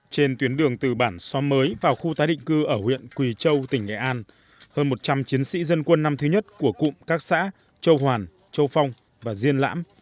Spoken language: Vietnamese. trên tuyến đường từ bản xóm mới vào khu tái định cư ở huyện quỳ châu tỉnh nghệ an hơn một trăm linh chiến sĩ dân quân năm thứ nhất của cụm các xã châu hoàn châu phong và diên lãm